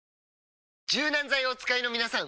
柔軟剤をお使いのみなさん！